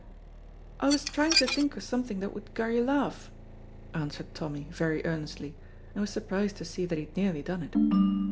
"I was trying to think o' something that would gar you laugh," answered Tommy, very earnestly, and was surprised to see that he had nearly done it.